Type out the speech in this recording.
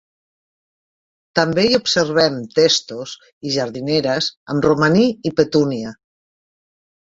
També hi observem testos i jardineres amb romaní i petúnia.